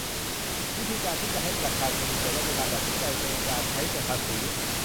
วิธีการที่จะให้ประชาชนมีส่วนร่วมในการตัดสินใจในการใช้เงินภาษี